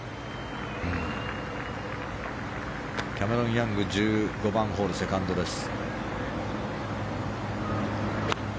キャメロン・ヤング１５番ホール、セカンドです。